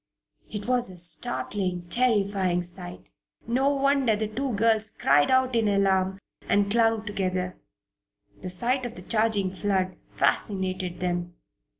It was a startling a terrifying sight. No wonder the two girls cried out in alarm and clung together. The sight of the charging flood fascinated them.